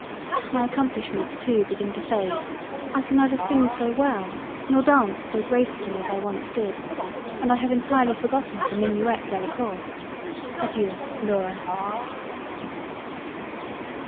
My accomplishments too, begin to fade—I can neither sing so well nor Dance so gracefully as I once did—and I have entirely forgot the Minuet Dela Cour. Adeiu. Laura.